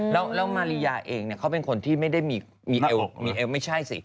แล้วมาริยาเองเนี่ยเขาเป็นคนที่ไม่ได้มีเอวไม่ใช่สิ